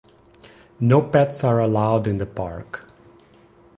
No pets are allowed in the park.